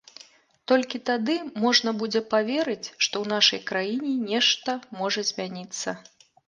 Толькі тады можна будзе паверыць, што ў нашай краіне нешта можа змяніцца.